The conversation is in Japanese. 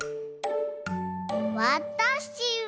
わたしは。